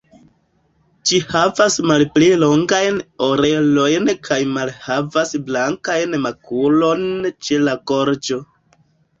Ĝi havas malpli longajn orelojn kaj malhavas blankan makulon ĉe la gorĝo.